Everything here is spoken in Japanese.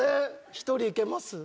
１人いけます？